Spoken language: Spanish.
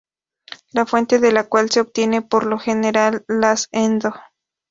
La fuente de la cual se obtiene por lo general las Endo.